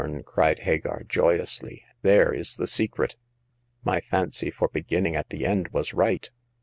cried Hagar, joyously— "there is the secret! My fancy for beginning at the end was right.